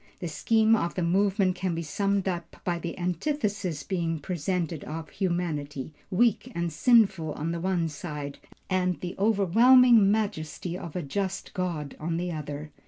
The scheme of the movement can be summed up by the antithesis being presented of humanity, weak and sinful on the one side, and the overwhelming majesty of a just God on the other.